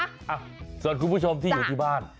สวัสดีคุณผู้ชมที่อยู่ที่บ้าน